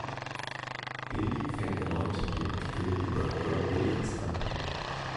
Hildy fängt erneut mit dem Artikel über Earl Williams an.